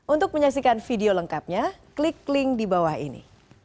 untuk menyaksikan video lengkapnya klik link di bawah ini